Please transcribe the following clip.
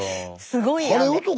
すごい雨。